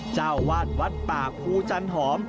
เจ้าวาดวัดป่าภูจันหอม